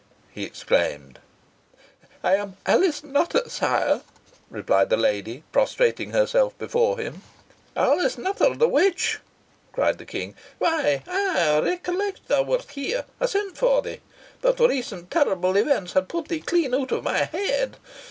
he exclaimed. "I am Alice Nutter, sire," replied the lady, prostrating herself before him. "Alice Nutter, the witch!" cried the King. "Why ay, I recollect thou wert here. I sent for thee, but recent terrible events had put thee clean out of my head.